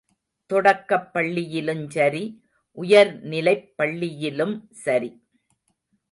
தொடக்கப்பள்ளியிலுஞ்சரி உயர்நிலைப் பள்ளியிலும் சரி.